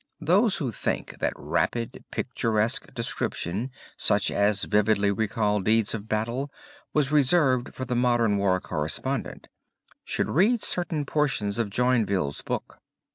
Those who think that rapid picturesque description such as vividly recalls deeds of battle was reserved for the modern war correspondent, should read certain portions of Joinville's book.